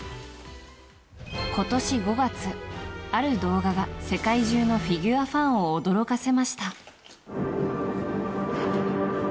今年５月、ある動画が世界中のフィギュアファンを驚かせました。